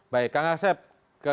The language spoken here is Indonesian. baik kang hasilman